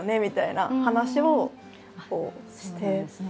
みたいな話をしてという。